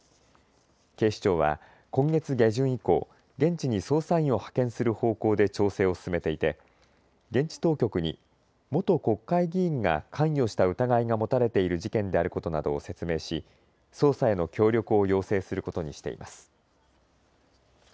警視庁は今月下旬以降、現地に捜査員を派遣する方向で調整を進めていて現地当局に元国会議員が関与した疑いが持たれている事件であることなどを説明し捜査への協力を要請することにしています。